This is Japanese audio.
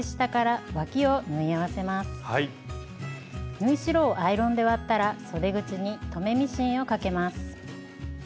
縫い代をアイロンで割ったらそで口に留めミシンをかけます。